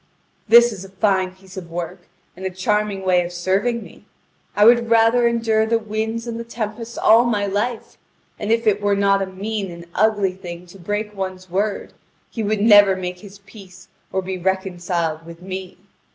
This is a fine piece of work, and a charming way of serving me! I would rather endure the winds and the tempests all my life: And if it were not a mean and ugly thing to break one's word, he would never make his peace or be reconciled with me.